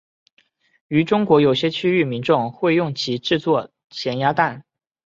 于中国有些区域民众会用其制作咸鸭蛋。